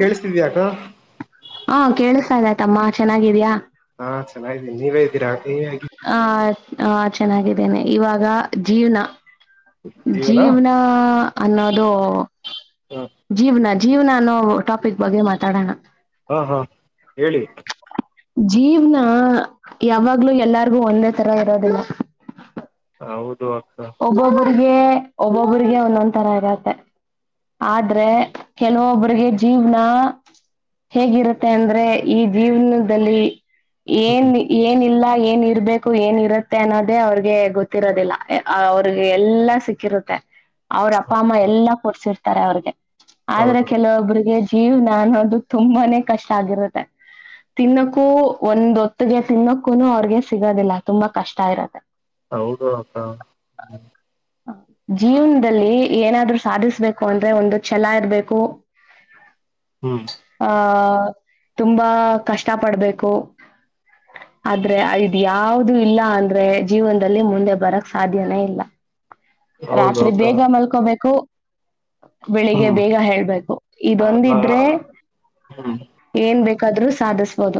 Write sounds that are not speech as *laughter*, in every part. ಕೇಳಿಸ್ತಿದ್ಯಾ ಅಕ್ಕ ಹ ಕೇಳಿಸತಾ ಇದ್ದಯತಮ್ಮ ಚೆನ್ನಾಗಿದ್ಯ ಹಾ ಚೆನ್ನಾಗಿದ್ದೀನಿ ನೀವೇ ಇದ್ದೀರಾ ನೀವಗ ಹ ಆ ಚೆನ್ನಾಗಿದ್ದೇನೆ ಇವಾಗ ಜೀವ್ನ ನೀವೇನಾ ಜೀವನ ಅನ್ನೋದು ಹ್ಮ್ ಜೀವ್ನ ಜೀವನ ಅನ್ನೋ ಟಾಪಿಕ್ ಬಗ್ಗೆ ಮಾತಾಡೋಣ ಹಾ ಹಾ ಹೇಳಿ ಜೀವ್ನ ಯಾವಾಗ್ಲೂ ಎಲ್ಲಾರ್ಗು ಒಂದೇ ತರ ಇರೋದಿಲ್ಲ. ಹೌದು ಅಕ್ಕ. ಒಬ್ಬೊಬ್ಬಿಗೆ ಒಬ್ಬೊಬ್ರಿಗೆ ಒಂದೊಂದ್ ತರ ಇರತ್ತೆ. ಆದ್ರೆ ಕೆಲವೊಬ್ಬ್ರರಿಗೆ ಜೀವ್ನ. ಹೇಗಿರುತ್ತೆ ಅಂದ್ರೆ ಈ ಜೀವನದಲ್ಲಿ. ಏನ್ ಹ್ಮ್ ಏನ್ ಇಲ್ಲ ಏನ್ ಇರ್ಬೇಕು ಏನ್ ಇರುತ್ತೆ ಅನ್ನೋದೇ ಅವ್ರಿಗೆ ಗೊತ್ತಿರೋದಿಲ್ಲ. ಅವ್ರಿಗೆ ಎಲ್ಲ ಸಿಕ್ಕಿರುತ್ತೆ ಅವ್ರ ಅಪ್ಪ ಅಮ್ಮ ಎಲ್ಲಾ ಕೊಡ್ಸಿರ್ತಾರೆ ಅವ್ರಿಗೆ. ಆದ್ರೆ ಹೌದು ಕೆಲವೊಬ್ರರಿಗೆ ಜೀವ್ನ ಅನ್ನೋದು ತುಂಬಾನೇ ಕಷ್ಟ ಆಗಿರುತ್ತೆ. ತಿನ್ನಕ್ಕೂ ಒಂದ ಹೋತ್ತಿಗೆ ತಿನ್ನಕ್ಕು ಅವ್ರಗೆ ಸಿಗೋದಿಲ್ಲ ತುಂಬಾ ಕಷ್ಟ ಇರತ್ತೆ. ಹೌದು ಜೀವನದಲ್ಲಿ ಏನಾದ್ರು ಸಾಧಿಸ್ಬೇಕು ಅಂದ್ರೆ ಒಂದು ಛಲ ಇರ್ಬೇಕು ಹ್ಮ್ ಆ ತುಂಬಾ ಕಷ್ಟ ಪಡ್ಬೇಕು ಆದ್ರೆ ಇದು ಯಾವ್ದ ಇಲ್ಲ ಅಂದ್ರೆ ಜೀವನದಲ್ಲಿ ಮುಂದೆ ಬರ ಸಾಧ್ಯನೇ ಇಲ್ಲ ಹೌದು ರಾತ್ರಿ ಅಕ್ಕ ಬೇಗ ಮಲ್ಕೋಬೇಕು ಬೆಳಿಗ್ಗೆ ಹ್ಮ್ ಬೇಗ ಹೇಳ್ಬೇಕು ಆಗ ಇದೊಂದಿದ್ರೆ. ಹ್ಮ್ ಏನ್ ಬೇಕಾದ್ರೂ ಸಾಧಿಸಬೋದು.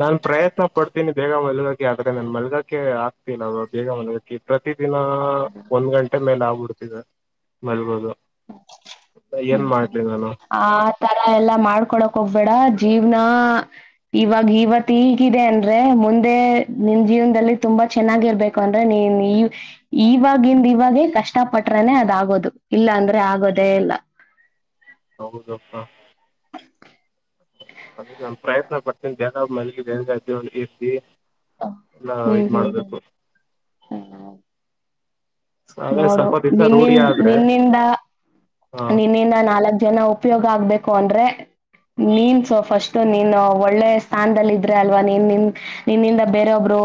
ನಾನು ಪ್ರಯತ್ನ ಪಡ್ತೀನಿ ಬೇಗ ಮಲ್ಗಕೆ ಆದ್ರೆ ನಾನನ್ ಮಲ್ಗಕೆ ಆಗ್ತೀನ ಅವರು ಬೇಗ ಮಲ್ಗಾಕಿ ಪ್ರತ ದಿನ. ಹ ಒಂದ್ ಗಂಟೆ ಮೇಲೆ ಆಗ್ಬಿಡ್ತಿದೆ ಮಲ್ಗೋದು. ಏನ್ ಮಾಡ್ಲಿ ನಾನು. ಆ ತರ ಎಲ್ಲಾ ಮಾಡ್ಕೊಳಕ್ ಹೋಗ್ಬೇಡ ಜೀವ್ನ. ಇವಾಗ ಇವತ್ತು ಹೀಗಿದೆ ಅಂದ್ರೆ ಮುಂದೆ ನಿನ್ ಜೀವನದಲ್ಲಿ ತುಂಬಾ ಚೆನ್ನಾಗಿರ್ಬೇಕು. ಅಂದ್ರೆ ನೀನ್ ಇವಾಗಿಂದ ಇವಾಗೆ ಕಷ್ಟ ಪಟ್ರನೆ ಅದಾಗೋದು ಇಲ್ಲ ಅಂದ್ರೆ. ಆಗೋದೇ ಇಲ್ಲ. ಹೌದುಪ್ಪಾ. ಅದ ಪ್ರಯತ್ನ ಪಡ್ತೀನಿ ಜೇಗ ಮಲ್ಲಿಗೆ ಬೇಗ್ದ ಇರ್ತಿ. ಎಲ್ಲ ಹ್ಮ್ ಇದ್ ಹ್ಮ್ ಹ್ಮ್ ಮಾಡಬೇಕು. ಅದೇ ನೋಡು ಸ್ವಲ್ಪ ದಿವಸ ನಿನ್ನಿ ರೂಢಿ ಆದ್ರೆ ನಿನ್ನಿಂದ ಹಾ ನಿನ್ನಿಂದ ನಾಲ್ಕ್ ಜನ. ಉಪಯೋಗ ಆಗ್ಬೇಕು ಅಂದ್ರೆ. ನೀನ್ಸು ಫಸ್ಟ್ ನೀನ್ ಒಳ್ಳೆ ಸ್ಥಾನದದಲ್ಲಿ ಇದ್ರೆ ಅಲ್ವಾ ನೀನ್ ನಿನ್. ನಿನ್ನಿಂದ ಬೇರೊಬ್ರು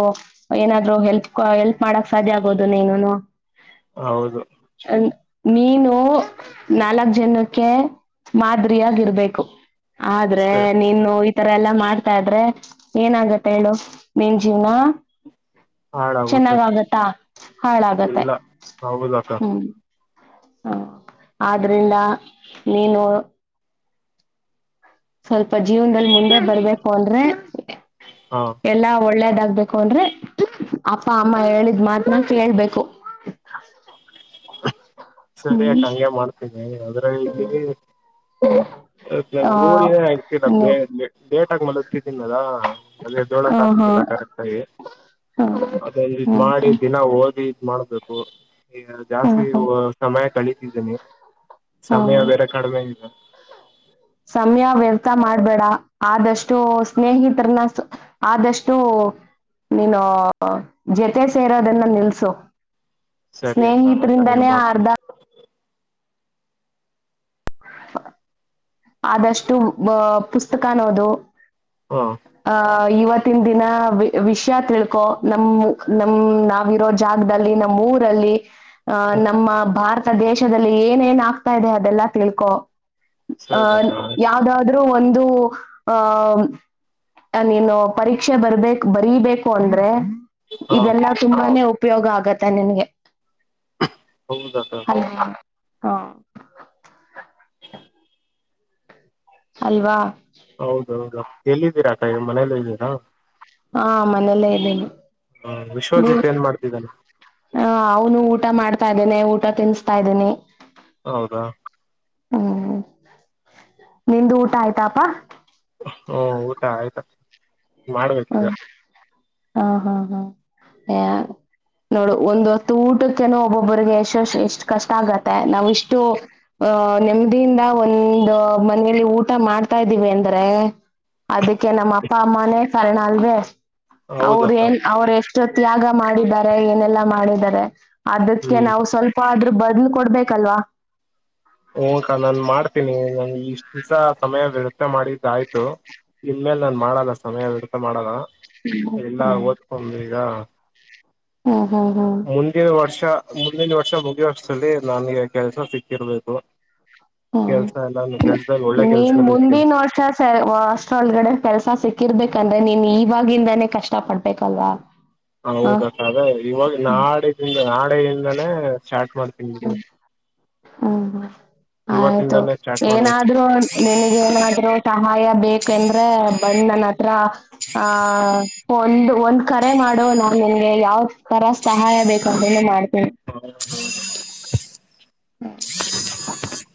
ಏನಾದ್ರು ಹೆಲ್ಪ್ ಹೆಲ್ಪ್ ಮಾಡಕ್ ಸಾಧ್ಯ ಆಗೋದು ನೀನುನು. ಹೌದು. ಅಲ್ಲ ನೀನು. ನಾಲ್ಕ್ ಜನಕ್ಕೆ ಮಾದರಿಯಾಗಿರ್ಬೇಕು ಆದ್ರೆ ಅಷ್ಟೇ ನೀನು. ಈ ತರ ಎಲ್ಲಾ ಮಾಡ್ತಾ ಇದ್ರೆ ಏನಾಗತ್ತೆ ಹೇಳು ನಿನ್ನ ಜೀವ್ನ. ಹಾಳಾಗುತ್ತೆ ಚೆನ್ನಾಗಾಗುತ್ತಾ ಹಾಳಾಗತ್ತೆ. *unintelligible* ಹ್ಮ. ಹ ಆದ್ರಿಂದ ನೀನು. ಸ್ವಲ್ಪ ಜೀವನದಲ್ಲಿ ಮುಂದೆ ಬರ್ಬೇಕು ಅಂದ್ರೆ. ಹಾ. ಎಲ್ಲಾ ಒಳ್ಳೇದಾಗ್ಬೇಕು ಅಂದ್ರೆ ಅಪ್ಪ ಅಮ್ಮ ಹೇಳಿದ್ ಮಾತ್ನಾ ಕೇಳ್ಬೇಕು. ಹ್ಮ್ ಸರಿಯಾಕ ಹಂಗೆ ಮಾಡ್ತೇನಿ ಆದ್ರೆ ಇಲ್ಲಿ. *inaudible* ಆ ನಂಗ್ ರೂಳಿನೇ ಆಗಿಲ್ಲ ಬ ಲೆಟಾಗ ಮೇಲೆತ್ತಿದ್ದೀನಿ ಅದ ಅದೇ ಹ ಹಾ ಏದೊಳತ್ ಹಾ ಆಗ್ತಿಲ್ಲ ಕರೆಕ್ಟ್. ಸರಿ ಅದ ಇದ ಹ್ಮ್ ಮಾಡಿ ದಿನ ಓದಿ. ಮಾಡಬೇಕು ಈಗ ಹ್ಮ ಜಾಸ್ತಿ ಹ್ಮ್ ಸಮಯ ಕಳಿತಿದ್ದೀನಿ ಸಮಯ ಹ್ಮ್ ಬೇರೆ. ಕಡಿಮೆ ಇದೆ. ಸಮಯ ವ್ಯರ್ಥ ಮಾಡ್ಬೇಡ ಆದಷ್ಟು ಸ್ನೇಹಿತರನ್ನ. ಆದಷ್ಟು. ನೀನು ಜೊತೆ ಸೇರೋದನ್ನ ನಿಲ್ಸು. ಸರಿ ಅಕ್ಕಾ ಆಯ್ತಾ ಹಂಗೆ ಸ್ನೇಹಿತರಿಂದಾನೇ ಮಾಡ್ತೀನಿ. ಅರ್ಧ *inaudible* ಆದಷ್ಟು ಪುಸ್ತಕನಾ ಓದು. ಹಾ. ಅ ಇವತ್ತಿನ ದಿನ ವಿಷಯ ತಿಳ್ಕೊ ನಮ ನಮ ನಾವಿರೋದ. ಜಾಗದಲ್ಲಿ ನಮ್ಮ ಊರಲ್ಲಿ. ಅ ಹ್ಮ್ ನಮ್ಮ ಭಾರತ ದೇಶದಲ್ಲಿ ಏನೇನ್ ಆಗ್ತಾ ಇದೆ ಅದೆಲ್ಲಾ ತಿಳ್ಕೊ. ಸರಿ ಅಹ ಅಕ್ಕ ಆಯ್ತು ಯಾವ್ದಾದ್ರರು ಒಂದು ಆಹ. ನೀನು ಪರೀಕ್ಷೆ ಬರ್ಬೇಕ ಬರೀಬೇಕು ಅಂದ್ರೆ. ಹಾ ಇದೆಲ್ಲಾ ತುಂಬಾನೇ ಉಪಯೋಗ ಆಗತ್ತೆ ನಿನ್ಗೆ ಹೌದಕ್ಕ ಹಾ ಅಲ್ವಾ ಹೌದೌದು ಎಲ್ಲಿದ್ದೀರಾಕ ಇವ್ ಮನೇಲ್ಲ ಇದ್ದೀರಾ ಹಾ ಮನೆಯಲ್ಲೇ ಇದ್ದೇನೆ ಹ್ಮ ವಿಶ್ವಜಿತ್ ಏನ್ ಮಾಡ್ತಿದ್ದಾನನೆ ಹ ಅವನು ಊಟ ಮಾಡ್ತಾ ಇದ್ದೇನೆ ಊಟ ತಿನ್ಸ್ತಾ ಇದ್ದೀನಿ ಹೌದಾ ಹ್ಮ್ ನಿ್ದ ಊಟ ಆಯ್ತಾಪಾ ಹಓ ಊಟಾ ಆಯ್ತಾ ಹ್ಮ ಮಾಡ್ಬೇಕೀಗ ಹಾ ಹಾ ಹಾ ಯ ನೋಡು ಒಂದ್ ಹೊತ್ತು ಊಟಕ್ಕೆನು ಒಬ್ಬೊಬ್ಬಿಗೆ ಎಷ್ಟ ಎಷ್ಟ ಕಷ್ಟ ಆಗತ್ತೆ ನಾವ್ ಇಷ್ಟು ಅಹ ನೆಮ್ಮದಿಯಿಂದ ಒಂದು ಮನೇಲಿ ಊಟ ಮಾಡ್ತಾದೀವಿ ಅಂದ್ರೆ ಅದಕ್ಕೆ ನಮ್ಮ ಅಪ್ಪ ಅಮ್ಮನೇ ಕಾರಣ ಅಲ್ವೇ ಹೌದು ಅವ್ರ ಅಕ್ಕ ಏನ್ ಅವ್ರ ಎಷ್ಟ ಎಷ್ಟು ತ್ಯಾಗ ಮಾಡಿದ್ದಾರೆ ಏನೆಲ್ಲಾ ಮಾಡಿದ್ದಾರೆ ಅದಕ್ಕೆ ಹ್ಮ್ ನಾವು ಸ್ವಲ್ಪ ಅಪ್ಪ ಆದ್ರರು ಬದ್ಲು ಕೊಡ್ಬೇಕಲ್ವಾ ಹಂಕ ನಾನ್ ಮಾಡ್ತೀನಿ ನನ್ಗೆ ಇಷ್ಟ ದಿವಸ ಸಮಯ ವ್ಯವಥೆ ಮಾಡಿದ್ದಯ್ತು ನಿನ್ ಮೇಲೆ ನಾನ್ ಮಾಡದ ಸಮಯ ವ್ಯರ್ಥ ಮಾಡಲ್ ಹ್ಮ್ ಎಲ್ಲ ಓದ್ಕೊಂಡ್ ಈಗ ಹ್ಮ ಹಾ ಹಾ ಮುಂದಿನ ವರ್ಷ ಮುಂದಿನ ವರ್ಷ ಮುಗಿಯಷ್ಟಲ್ಲಿ ನನಗೆ ಕೆಲಸ ಸಿಕ್ಕಿರ್ಬೇಕು ಹ್ಮ್ ಕೆಲ್ಸ ಎಲ್ಲ ಕೆಲ್ಸದಲ್ಲಿ ಒಳ್ಳೆ ನೀನ್ ಕೆಲ್ಸದಲ್ಲಿ ಇರ್ತೀನಿ ಮುಂದಿನ ವರ್ಷ ಸ ಅಸ್ಟೊಲ್ಗಡೆ ಕೆಲ್ಸ ಸಿಕ್ಕಿರ್ಬೇಕಂದ್ರೆ ನೀನ್ ಇವಾಗಿಂದಾನೇ ಕಷ್ಟ ಪಡ್ಬೇಕಲ್ವಾ ಹ ಹೌದಾ ಅದೇ ಇವಾಗ ನಾಡಿಂದ ನಾಡೆಯಿಂದಾನೇ ಸ್ಟಾರ್ಟ್ ಮಾಡ್ತ ಹ್ಮ ಹ್ಮ ಆಯ್ತು ಇವತ್ತಿಂದಾನೇ ಸ್ಟಾರ್ಟ್ ಮಾಡ್ಬೇಕು ಏನಾದ್ರೂ ನಿಂಗೆ ಏನಾದ್ರೂ ಸಹಾಯ ಬೇಕಂದ್ರೆ ಬಂದ್ ನನ್ನ ಹತ್ರ ಆ ಒಂದು ಒಂದ್ ಕರೆ ಮಾಡೋ ನಾನ್ ನಿನ್ಗೆ ಯಾವ ತರ ಸಹಾಯ ಬೇಕದ್ರೂನು ಮಾಡ್ತೇನಿ ಹೌ *inaudible* ಹ್ಮ್ *unintelligible*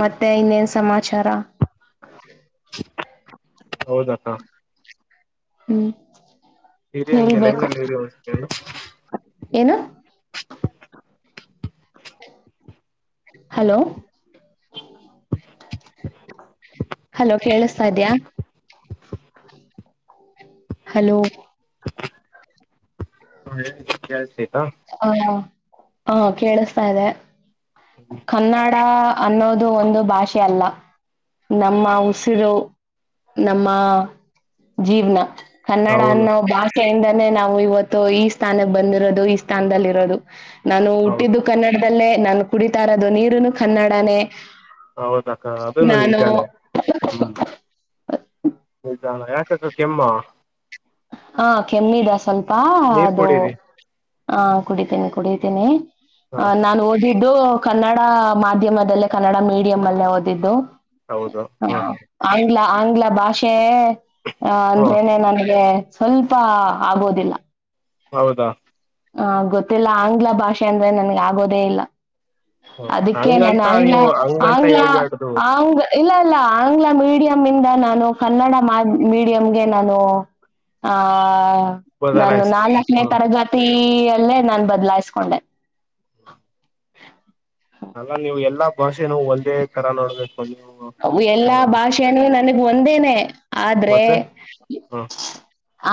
ಮತ್ತೆ ಇನ್ನೇನ್ ಸಮಾಚಾರ ಹೌದಕ್ಕ ಹ್ಮ್ ಇರಿ ಹಂಗೆ ಹೇಳ್ಬೇಕು ಲೈನ್ಲ್ಲ ಇರಿ ಒಂದ್ ಸೆಕೆಡ್ ಏನು ಹಲೋ ಹಲೋ ಕೇಳಸ್ತಾ ಇದೀಯ. ಹಲೋ ಹಾ ಹೇಳಿ ಕೆಳಸ್ತೈತ. ಹ ಹಾ ಹಾ ಕೇಳಸ್ತಾ ಇದೆ ಕನ್ನಡ ಅನ್ನೋದು ಒಂದು ಭಾಷೆ ಅಲ್ಲ. ನಮ್ಮ ಉಸಿರು ನಮ್ಮ ಜೀವ್ನ. ಕನ್ನಡ ಹೌದು ಅನ್ನೋ ಭಾಷೆಯಿಂದಾನೇ ನಾವು ಇವತ್ತು ಈ ಸ್ಥಾನಕ್ಕೆ ಬಂದಿರೋದು ಇ ಸ್ಥಾನದಲ್ಲಿ ಇರೋದು ನಾನು ಹೌದು ಹುಟ್ಟಿದ್ದು ಕನ್ನಡದಲ್ಲೇ ನಾನ್ ಕುಡಿತಾ ಇರೋದು ನೀರುನು ಕನ್ನಡನೇ. ಹೌದಕ್ಕ ಅದುನು ನಾನು ನಿಜಾನೆ ಹ್ಮ್. *unintelligible* ಯಾಕ ಅಕ್ಕ ಕೆಮ್ಮು. ಹಾ ಕೆಮ್ಮಿದೆ ಸ್ವಲ್ಪ ನೀರ್ ಅದು ಕುಡೀರಿ ಹ ಕುಡಿತೀನಿ ಕುಡಿತೀನಿ. ಹಾ ಅ ನಾನು ಓದಿದ್ದು ಕನ್ನಡ ಮಾಧ್ಯಮದಲ್ಲೇ ಕನ್ನಡ ಮೀಡಿಯಂ ಅಲ್ಲೇ ಓದಿದ್ದು. ಹೌದು ಹಾ ಹ ಹಾ ಆಂಗ್ಲ ಆಂಗ್ಲ ಭಾಷೆ ಹ್ಮ ಅಂದ್ರೇನೆ ನನ್ಗೆ ಸ್ವಲ್ಪ ಆಗೋದಿಲ್ಲ. ಹೌದಾ, ಹ ಗೊತ್ತಿಲ್ಲ ಆಂಗ್ಲ ಭಾಷೆ ಅಂದ್ರೆ ನನ್ಗ ಆಗೋದೇ ಇಲ್ಲ. ಹ್ಮ ಅದಕ್ಕೆ ನಾನ್ ಹಂಗಂತ ಆಂಗ್ಲ ನೀವು ಹಂಗಂತ ಆಂಗ್ಲ ಹೇಳ್ಬ್ಯಾಡ್ದು ಆಂಗ್ ಇಲ್ಲ ಇಲ್ಲ ಆಂಗ್ಲ ಮೀಡಿಯಂ ಇಂದ ನಾನು, ಕನ್ನಡ ಮಾದ್ ಮೀಡಿಯಂಗೆ ನಾನು, ಆ ನಾನು ಬದಲಾಯಿಸ್ ನಾಲ್ಕನೇ ಹ್ಮ ತರಗತಿ ಯಲ್ಲೇ ನಾನ್ ಬದ್ಲಾಯಸ್ಕೊಂಡೆ.. ಅಲ್ಲ ನೀವು ಎಲ್ಲಾ ಭಾಷೆನು ಒಂದೇ ತರ ನೋಡ್ಬೇಕು ನೀವು. ಎಲ್ಲಾ ಹ ಭಾಷೆನೂ ನನಗ್ ಒಂದೇನೆ. ಆದ್ರೆ ಮತ್ತೆ ಹ್ಮ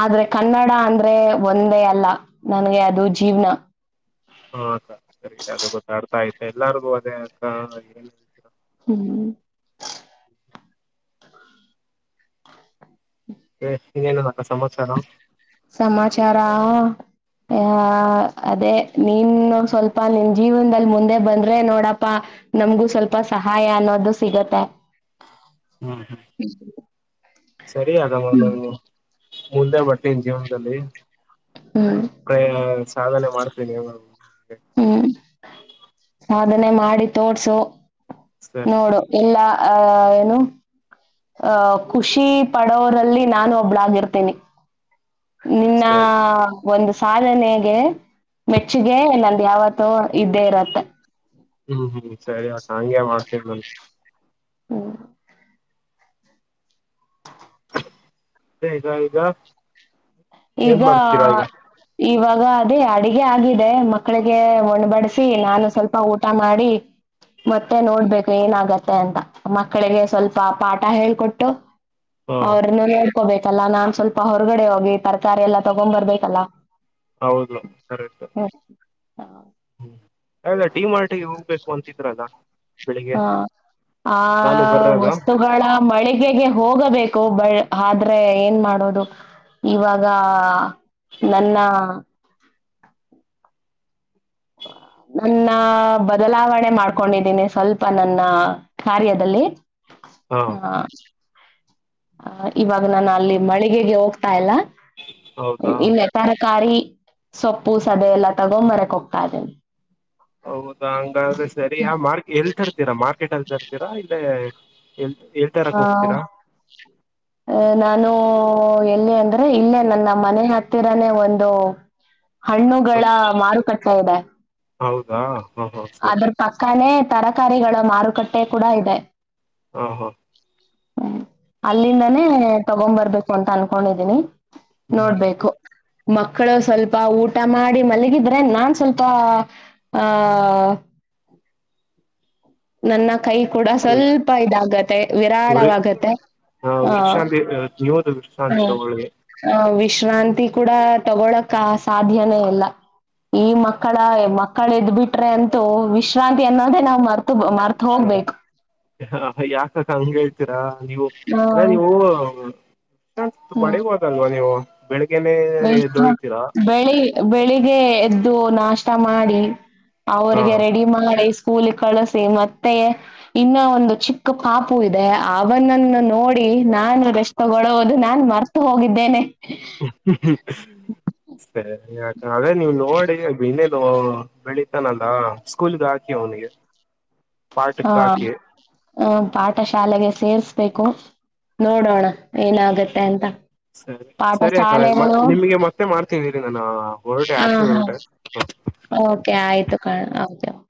ಆದ್ರೆ ಕನ್ನಡ ಅಂದ್ರೆ ಒಂದೇ ಅಲ್ಲ ನನ್ಗೆ ಅದು ಜೀವ್ನ. ಹಾ ಅಕ್ಕ ಸರಿ. *unintelligible* ಎಲ್ಲಾರ್ಗು ಅದೇ ಅರ್ಥ ಹ್ಮ್. ಎ ಇನ್ನೇನಾದಕ್ಕ ಸಮಾಚಾರ. ಸಮಾಚಾರಾ. ಆ ಅದೇ ನೀನೊಂದ್ ಸ್ವಲ್ಪ ನಿನ್ ಜೀವನದಲ್ಲಿ ಮುಂದೆ ಬಂದ್ರೆ ನೋಡಪ್ಪ. ನಮಗೂ ಸ್ವಲ್ಪ ಸಹಾಯ ಅನ್ನೋದು ಸಿಗತ್ತೆ. ಹ್ಮ್ ಹ್ಮ್ ಸರಿ ಅದವಲ್ಲವು ಮುಂದೆ ಹೊಟ್ಟಿನ್ ಜೀವ್ನ. ದಲ್ಲಿ ಹ್ಮ. ಎ ಸಾಧನೆ ಮಾಡ್ತಿನಿ. *unintelligible* ಹ್ಮ್ ಸಾಧನೆ ಮಾಡಿ ತೋರ್ಸು. ಸರಿ ನೋಡು ಇಲ್ಲ. ಅ ಏನು, ಅ ಖುಷಿ ಪಡೋರಲ್ಲಿ ನಾನು ಒಬ್ಬಳಾಗಿರ್ತೀನಿ. ಇನ್ನಾ, ಸರಿ ಒಂದು ಸಾಧನೆಗೆ ಮೆಚ್ಚುಗೆ ನಂದು ಯಾವತ್ತೂ ಇದ್ದೇ ಇರುತ್ತೆ. ಹ್ಮ್ ಹ್ಮ್ ಸರಿ ಅಕ್ಕ ಹಂಗೆ ಮಾಡ್ತೀನಿ. ಹ್ಮ. *unintelligible* ಏನ್ ಈಗ. ಮಾಡ್ತೀರಾ ಈಗ ಇವಾಗ ಅದೇ ಅಡಗೆ ಆಗಿದೆ ಮಕ್ಕಳಿಗೆ ಒಣ ಬಡಸಿ, ನಾನು ಸ್ವಲ್ಪ ಊಟ ಮಾಡಿ, ಮತ್ತೆ ನೋಡ್ಬೇಕು ಏನ ಆಗತ್ತೆ ಅಂತ. ಮಕ್ಕಳಿಗೆ ಸ್ವಲ್ಪ ಪಾಠ ಹೇಳ್ಕೊಟ್ಟು ಹ ಅವ್ರನ್ನ ನೋಡ್ಕೋಬೇಕಲ್ಲ ನಾನ್ ಸ್ವಲ್ಪ ಹೊರಗಡೆ ಹೋಗಿ ತರಕಾರಿ ಎಲ್ಲಾ ತಗೊಂರ್ಬೇಕಲ್ಲಾ. ಹೌದು ಕರೆಕ್ಟ್. *unintelligible* ಡಿ ಮಾರ್ಟಿಗೆ ಹೋಗ್ಬೇಕು ಅಂತಿದ್ರಲ್ಲ. ಬೆಳಿಗ್ಗೆ ಹಾ ಆ ನಾನು ಬರೋದ ವಸ್ತುಗಳ ಮಳಿಗೆಗೆ ಹೋಗಬೇಕು ಬಳ್ ಆದ್ರೆ ಏನ್ ಮಾಡೋದು. ಇವಾಗ ನನ್ನ, *inaudible* *inaudible* ನನ್ನ ಬದಲಾವಣೆ ಮಾಡ್ಕೊಂಡಿದ್ದೀನಿ ಸ್ವಲ್ಪ ನನ್ನ ಕಾರ್ಯದಲ್ಲಿ. ಹಾ, ಆ ಇವಾಗ ನಾನು ಅಲ್ಲಿ ಮಳಿಗೆಗೆ ಹೋಗ್ತಾ ಇಲ್ಲ. ಹೌದಾ ಇ ತರಕಾರಿ ಸೊಪ್ಪು ಸದೆ ಎಲ್ಲ ತಗೊಂಡ್ ಬರಕೋಗ್ತಾ ಇದೆ ಹೌದಾ ಹಂಗಾದ್ರೆ ಸರಿ ಆ ಮಾರ್ ಎಲ್ ತರ್ತೀರಾ ಮಾರ್ಕೆಟ್ ಅಲ್ಲಿ ತರ್ತೀರಾ ಇಲ್ಲೇ ಎ ಎಳ್ ತರಕ್ ಹೋಗ್ತೀರಾ ಅ ನಾನು ಎಲ್ಲಿ ಅಂದ್ರೆ ಇಲ್ಲೇ ನನ್ನ ಮನೆ ಹ ಹತ್ತಿರನೇ ಒಂದು ಹಣ್ಣುಗಳ ಮಾರುಕಟ್ಟೆ ಇದೆ ಹೌದಾ ಹಾ ಹಾ ಸರಿ ಪಕ್ಕಾನ ತರಕಾರಿಗಳ ಮಾರುಕಟ್ಟೆ ಕೂಡ ಇದೆ ಹಾ ಹಾ ಹ್ಮ್ ಅಲ್ಲಿಂದನೇ ತಗೊ ಬರ್ಬೇಕು ಅಂತ ಅನ್ಕೊಂಡಿದ್ದೀನಿ ನೋಡ್ಬೇಕು ಮಕ್ಕಳು ಸ್ವಲ್ಪ ಊಟ ಮಾಡಿ ಮಲಗಿದ್ರೆ ನಾನ್ ಸ್ವಲ್ಪ ಹ ನನ್ನ ಕೈ ಕೂಡ ಹ್ಮ್ ಸ್ವಲ್ಪ ಇದಾಗತ್ತೆ ವಿರಾಳವಾಗತ್ತೆ ಹಾ ಆ ವೃಕ್ಷಾಂತಿ ನೀವುದು ವೃಕ್ಷಾಂತಿ ಇಲ್ಲ ಹೋಳ್ಗೆ ಹ ವಿಶ್ರಾಂತಿ ಕೂಡ ತಗೊಳಕ್ ಸಾಧ್ಯನೇ ಇಲ್ಲ ಈ ಮಕ್ಕಳ ಮಕ್ಕಳ ಎದ್ಬಿಟ್ರೆ ಅಂತೂ ವಿಶ್ರಾಂತಿ ಅನ್ನೋದೇ ನಾವ್ ಮರ್ತ ಮರ್ತ ಹ ಯಾಕಕ ಹಂಗ ಹೇಳ್ತೀರಾ ನೀವು ಅದ ಹ್ಮ್ ನೀವು ಹ್ಮ್ ಹೊಡಿಬಹುದು ಅಲ್ವಾ ನೀವು ಬೆಳಗ್ಗೆನೇ ಎದ್ದೇಳ್ತೀರಾ ಬೆಳಿ ಬೆಳಿಗ್ ಎದ್ದು ನಾಷ್ಟ ಮಾಡಿ ಹಾ ಅವ್ರಿಗೆ ರೆಡಿ ಮಾಡಿ ಸ್ಕೂಲ್ ಕಳಸಿ ಮತ್ತೆ ಇನ್ನ ಒಂದು ಚಿಕ್ಕ ಪಾಪು ಇದೆ ಅವನನ್ನು ನೋಡಿ ನಾನು ಅಷ್ಟ ತಗೊಳ್ಳುವುದು ನಾನು ಮರ್ತು ಹೋಗಿದ್ದೇನೆ ಸರಿ ಯಾ ಅದೇ ನೀವು ನೋಡಿ ಬನ್ನೆ ನೋ ಬೆಳಿ ಇತಾನಲ್ಲ ಸ್ಕೂಲ್ಗೆ ಹಾಕಿ ಅವನಿಗೆ ಹಾ ಪಾಠಕ್ ಹಾಕಿ ಹ ಪಾಠ ಶಾಲೆಗೆ ಸೇರ್ಸ್ಬೇಕು ನೋಡೋಣ ಏನಾಗತ್ತೆ ಅಂತ ಸರಿ ಪಾಠ ಸರಿ ಅಕ್ಕ ಶಾಲೆಗಳು ನಿಮಗೆ ಮತ್ತೆ ಮಾಡ್ತೀನಿ ಇರಿ ನಾನು ಹೊರಟೆ ಹ ಆಚೆ ಹ ಹೊರಟೆ ಓಕೆ ಆಯ್ತು ಕಣ ಓಕೆ ಓಕೆ